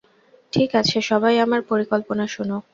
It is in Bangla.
ঠিক আছে, সবাই আমার পরিকল্পনা শোনো।